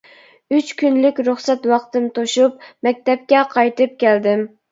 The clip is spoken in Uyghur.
ئۈچ كۈنلۈك رۇخسەت ۋاقتىم توشۇپ مەكتەپكە قايتىپ كەلدىم.